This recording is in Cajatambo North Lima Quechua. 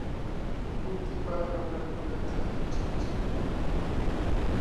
Muntipa raprankunata rachiytsu.